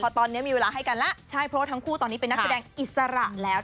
ตอนนี้มีเวลาให้กันแล้วใช่เพราะว่าทั้งคู่ตอนนี้เป็นนักแสดงอิสระแล้ว